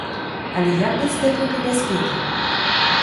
Але як быць з тэхнікай бяспекі?